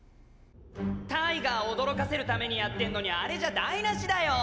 タイガー驚かせるためにやってんのにあれじゃ台なしだよ！